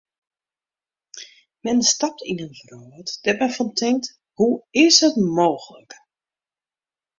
Men stapt yn in wrâld dêr't men fan tinkt: hoe is it mooglik.